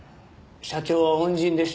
社長は恩人でした。